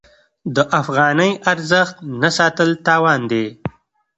د افغانۍ ارزښت نه ساتل تاوان دی.